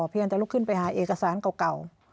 พยายามจะลุกขึ้นไปหาเอกสารเก่า